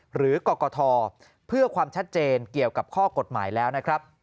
กรกฐเพื่อความชัดเจนเกี่ยวกับข้อกฎหมายแล้วนะครับ